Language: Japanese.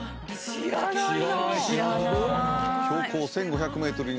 知らない。